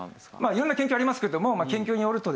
色んな研究ありますけれども研究によるとですね